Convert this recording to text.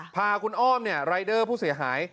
พาคุณอ้อมรายเดอร์ผู้เสียหาย